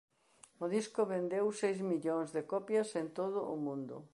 O disco vendeu seis millóns de copias en todo o mundo.